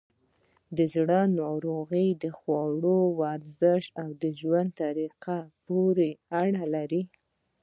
د زړه ناروغۍ د خوړو، ورزش، او ژوند طریقه پورې اړه لري.